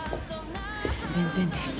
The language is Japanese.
全然です。